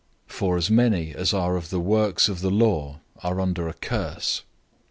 003:010 For as many as are of the works of the law are under a curse.